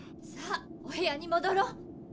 さあお部屋にもどろう。